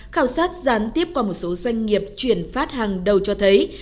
khảo sát gián tiếp qua một số doanh nghiệp chuyển phát hàng đầu cho thấy